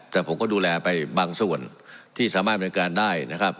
แต่ผมก็ดูแลไปบางส่วนที่สามารถบริการได้นะครับ